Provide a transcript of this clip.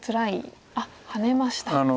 あっハネました。